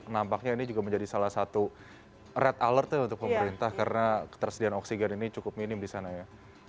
nampaknya ini juga menjadi salah satu red alertnya untuk pemerintah karena ketersediaan oksigen ini cukup minim di sana ya